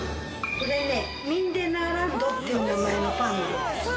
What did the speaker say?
これねミンデナーランドっていう名前のパンなんです。